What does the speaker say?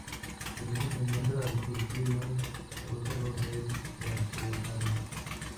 Su origen se encuentra al surgir un acuífero del Cuaternario.